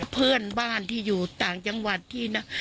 เพื่อนบ้านที่อยู่ต่างจังหวัดที่นะ